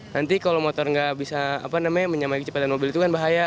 nanti kalau motor nggak bisa menyamai kecepatan mobil itu kan bahaya